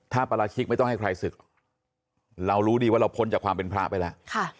ถ้าปราชิกไม่ต้องให้ใครศึกเรารู้ดีว่าเราพ้นจากความเป็นพระไปแล้ว